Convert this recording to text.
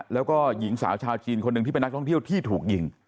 แล้วก็หญิงสาวชาวจีนคนหนึ่งที่เป็นนักท่องเที่ยวที่ถูกยิง